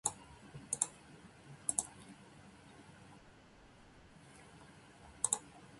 犬は犬だ。